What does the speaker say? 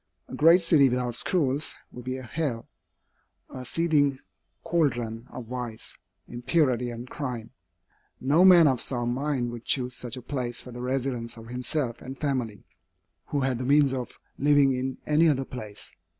A great city without schools would be a hell, a seething caldron of vice, impurity, and crime. No man of sound mind would choose such a place for the residence of himself and family, who had the means of living in any other place.